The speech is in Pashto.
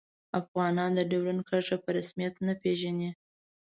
افغانان د ډیورنډ کرښه په رسمیت نه پيژني